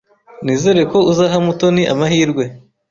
Nizere ko uzaha Mutoni amahirwe.